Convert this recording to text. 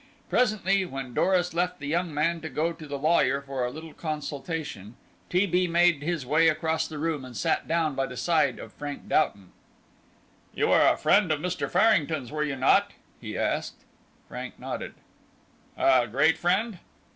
Presently, when Doris left the young man to go to the lawyer for a little consultation, T. B. made his way across the room and sat down by the side of Frank Doughton. "You were a friend of Mr. Farrington's, were you not?" he asked. Frank nodded. "A great friend?"